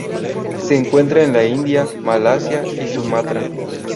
Se encuentra en la India, Malasia y Sumatra.